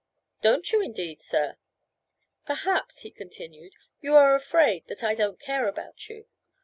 "Don't you indeed, sir?" "Perhaps," he continued, "you are afraid that I don't care about you.